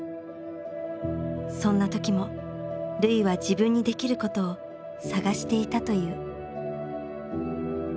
そんな時も瑠唯は自分にできることを探していたという。